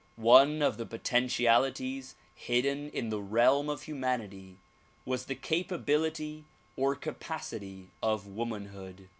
One of the potentialities hidden in the realm of humanity was the capability or capacity of womanhood.